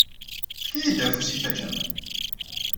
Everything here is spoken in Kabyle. Efk-iyi-d afus-ik a Ǧamal.